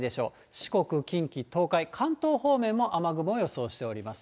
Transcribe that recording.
四国、近畿、東海、関東方面も雨雲を予想しております。